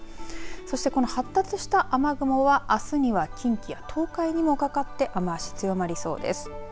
そして、この発達した雨雲はあすには近畿や東海にもかかって雨足、強まりそうです。